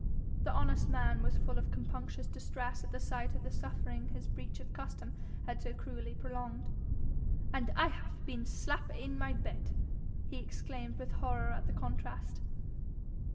The honest man was full of compunctious distress at the sight of the suffering his breach of custom had so cruelly prolonged. 'And I haf bin slap in mine bed!' he exclaimed with horror at the contrast.